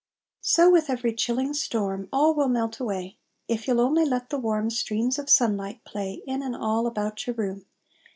So with every chilling storm All will melt away If you ll only let the warm Streams of sunlight play In and all about your room.